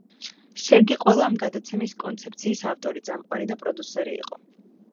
სერგი ყველა ამ გადაცემის კონცეფციის ავტორი, წამყვანი და პროდიუსერი იყო.